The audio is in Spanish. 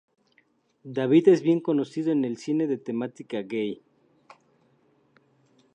David es bien conocido en el cine de temática gay.